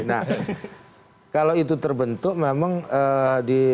nah kalau itu terbentuk memang di